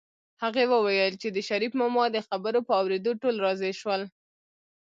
هغې وویل چې د شريف ماما د خبرو په اورېدو ټول راضي شول